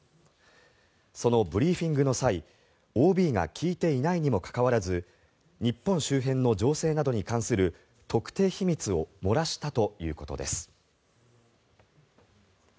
そのブリーフィングの際、ＯＢが聞いていないにもかかわらず日本周辺の情勢などに関する特定秘密を漏らしたということです。